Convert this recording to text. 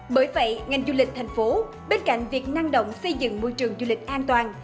bởi vậy ngành du lịch thành phố bên cạnh việc năng động xây dựng môi trường du lịch an toàn